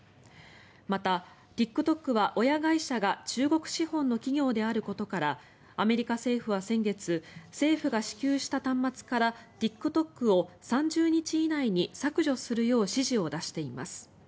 また、ＴｉｋＴｏｋは親会社が中国資本の企業であることからアメリカ政府は先月政府が支給した端末からＴｉｋＴｏｋを３０日以内に削除するよう指示を出しています。